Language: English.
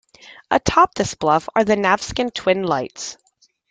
Atop this bluff are the Navesink Twin Lights.